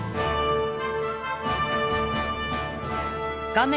画面